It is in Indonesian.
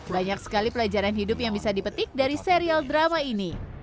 banyak sekali pelajaran hidup yang bisa dipetik dari serial drama ini